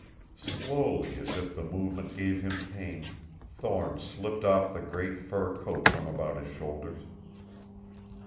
Slowly, as if the movement gave him pain, Thorne slipped off the great fur coat from about his shoulders.